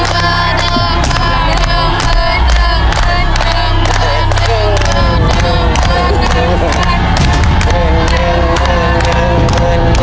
๕๐๐๐บาทครับ